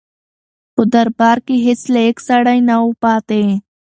په دربار کې هیڅ لایق سړی نه و پاتې.